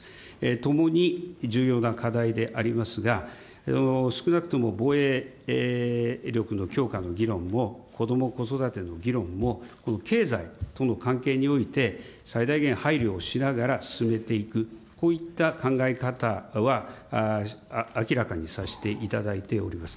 ともに重要な課題でありますが、少なくとも防衛力の強化の議論も、こども・子育ての議論もこの経済との関係において最大限配慮をしながら進めていく、こういった考え方は明らかにさせていただいております。